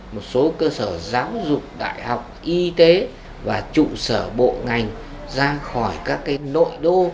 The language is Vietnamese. một số cơ sở giáo dục đại học y tế và trụ sở bộ ngành ra khỏi các cái nội đô